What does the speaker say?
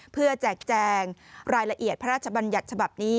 เพื่อแจกแจงรายละเอียดพระราชบัญญัติฉบับนี้